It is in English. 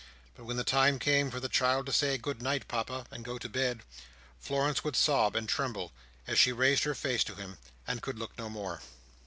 But when the time came for the child to say "Good night, Papa," and go to bed, Florence would sob and tremble as she raised her face to him, and could look no more.